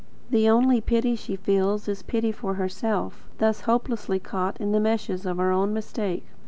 The only pity she feels is pity for herself, thus hopelessly caught in the meshes of her own mistake.